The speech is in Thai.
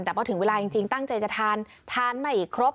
แต่พอถึงเวลาจริงตั้งใจจะทานทานไม่ครบ